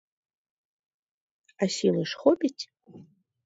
А сілы ж хопіць?